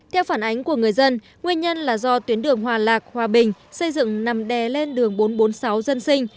theo phản ánh của người dân nguyên nhân là do tuyến đường hòa lạc hòa bình xây dựng nằm đè lên đường bốn trăm bốn mươi sáu dân sinh